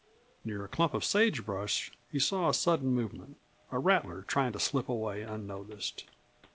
Near a clump of sage brush he saw a sudden movement a rattler trying to slip away unnoticed.